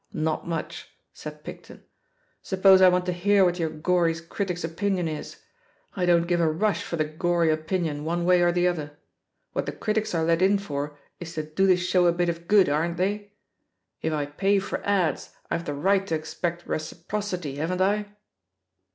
Not muchl' said Picton. 'Suppose I want to hear what your gory critic's opinion is? I don't give a rush for the gory opinion, one way or the other! What the critics are let in for is to do the show a bit of good, aren't they? If I pay for ads, I've the right to expect reciprocity, haven't I?"'